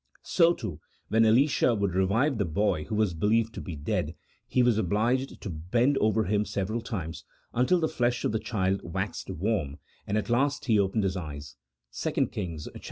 So, too, when Elisha would revive the boy who was believed to be dead, he was obliged to bend over him several times until the flesh of the child waxed warm, and at last he opened his eyes (2 Kings iv.